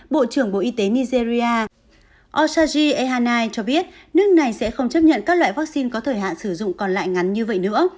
bộ trưởng bộ y tế nigeria osagi ehanai cho biết nước này sẽ không chấp nhận các loại vaccine có thời hạn sử dụng còn lại ngắn như vậy nữa